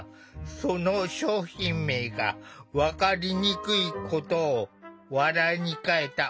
その商品名が分かりにくいことを笑いに変えたお話。